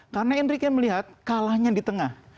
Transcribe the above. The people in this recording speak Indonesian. karena enrique melihat kalahnya di tengah